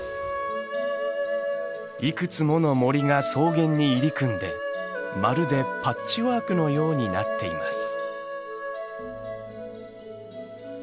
いくつもの森が草原に入り組んでまるでパッチワークのようになっています。